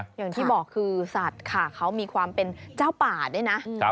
อย่างที่บอกคือสัตว์ค่ะเขามีความเป็นเจ้าป่าด้วยนะ